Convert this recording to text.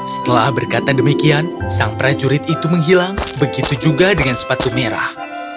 setelah berkata demikian sang prajurit itu menghilang begitu juga dengan sepatu merah